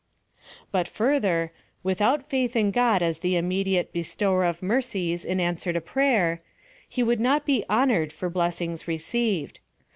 But, further, without faith in God as the imme diate bestower of mercies in answer to prayer, He could not be honored for blessings received.